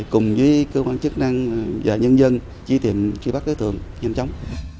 cùng với cơ quan chức năng và nhân dân trí tìm khi bắt đối tượng nhanh chóng